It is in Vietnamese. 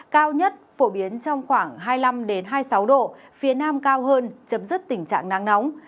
cao nhất phổ biến trong khoảng hai mươi năm hai mươi sáu độ phía nam cao hơn chấm dứt tình trạng nắng nóng